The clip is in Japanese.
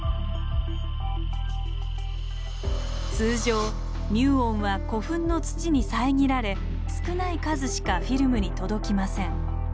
通常ミューオンは古墳の土に遮られ少ない数しかフィルムに届きません。